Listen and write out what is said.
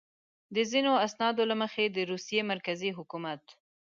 د ځینو اسنادو له مخې د روسیې مرکزي حکومت.